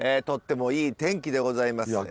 とってもいい天気でございます。